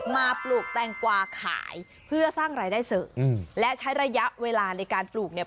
ปลูกแตงกวาขายเพื่อสร้างรายได้เสริมอืมและใช้ระยะเวลาในการปลูกเนี่ย